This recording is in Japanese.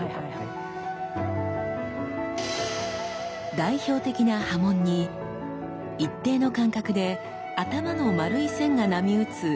代表的な刃文に一定の間隔で頭の丸い線が波打つ